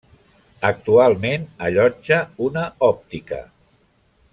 Actualment allotja una òptica.